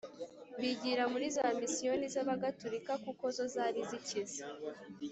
Bigira muri za misiyoni z abagatorika kuko zo zari zikize